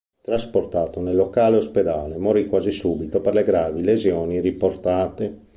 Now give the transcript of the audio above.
Trasportato nel locale ospedale morì quasi subito per le gravi lesioni riportate.